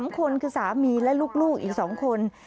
๓คนคือสามีและลูกอีก๒คน